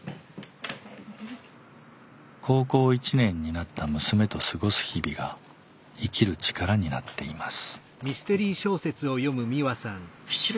高校１年になった娘と過ごす日々が生きる力になっています。